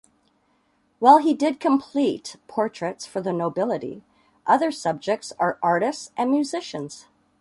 While he did complete portraits for the nobility, other subjects are artists and musicians.